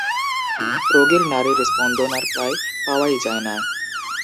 রোগীর নাড়ির স্পন্দন আর প্রায় পাওয়াই যায় না।